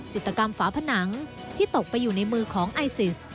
จิตกรรมฝาผนังที่ตกไปอยู่ในมือของไอซิส